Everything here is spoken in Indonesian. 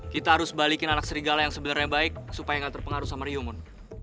kita harus balikin anak serigala yang sebenernya baik supaya gak terpengaruh sama rio mon